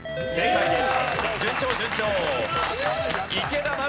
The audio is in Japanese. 正解です。